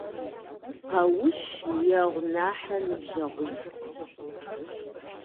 Къуэш егъу нэхърэ ныбжьэгъуфӀ.